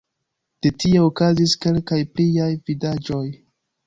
De tie okazis kelkaj pliaj vidaĵoj.